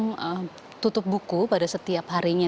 yang tutup buku pada setiap harinya